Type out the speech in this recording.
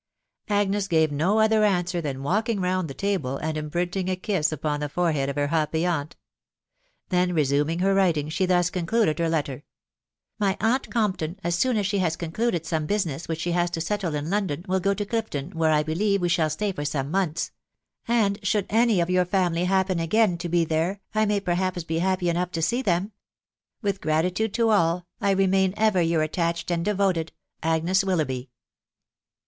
Agnes gave no other answer than walking round the table, and imprinting a kiss upon the forehead of her happy aunt. ... Then resuming her writing, she thus concluded her letter :— te My aunt Compton, as soon as she has concluded some business which she has to settle in London, will go to Clifton where, I believe, we shall stay for some months; and should dd2 404 THE WIDOW BARNABY. any of your family happen again to be there, I may perhaps be happy enough to see them. With gratitude to all, I remain ever your attached and devoted " Agnes Willouqhby."